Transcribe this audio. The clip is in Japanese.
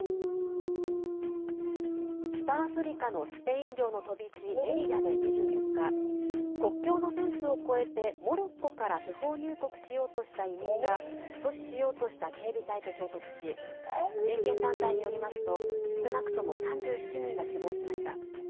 北アフリカのスペイン領の飛び地メリリャで２４日国境のフェンスを越えてモロッコから不法入国しようとした移民が阻止しようとした警備隊と衝突し人権団体によりますと少なくとも３７人が死亡しました。